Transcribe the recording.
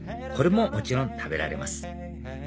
これももちろん食べられます